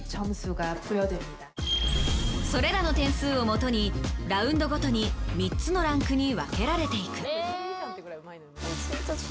それらの点数をもとにラウンドごとに３つのランクに分けられていく。